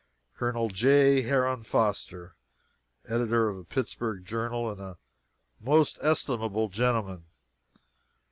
[Colonel J. HERON FOSTER, editor of a Pittsburgh journal, and a most estimable gentleman.